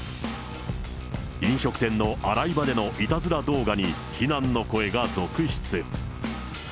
飲食店の洗い場でのいたずら動画に非難の声が続出。